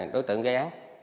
đối tượng gây án